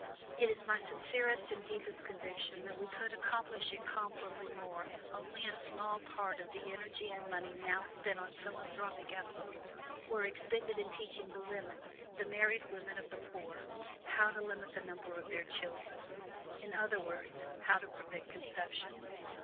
"It is my sincerest and deepest conviction that we could accomplish incomparably more if only a small part of the energy and money now spent on philanthropic efforts were expended in teaching the women, the married women of the poor, how to limit the number of their children; in other words, how to prevent conception.